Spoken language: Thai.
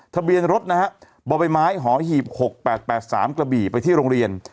ทะเบียนรถนะฮะบ่อไปไม้หอหีบหกแปดแปดสามกระบี่ไปที่โรงเรียน